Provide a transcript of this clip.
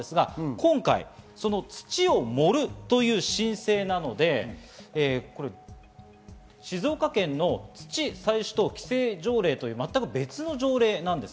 今回、土を盛るという申請なので静岡県の土採取等規制条例という全く別の条例なんです。